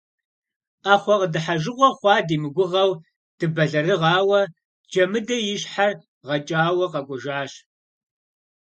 Ӏэхъуэ къыдыхьэжыгъуэ хъуа димыгугъэу дыбэлэрыгъауэ, Джэмыдэ и щхьэр гъэкӀауэ къэкӀуэжащ.